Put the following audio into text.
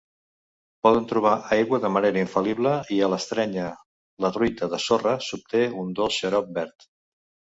Poden trobar aigua de manera infal·lible, i a l'estrènyer la truita de sorra s'obté un "dolç xarop verd".